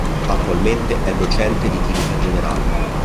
Attualmente è docente di Chimica Generale.